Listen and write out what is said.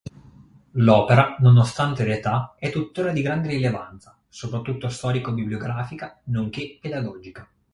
L'opera, nonostante l'età, è tuttora di grande rilevanza, soprattutto storico-bibliografica, nonché pedagogica.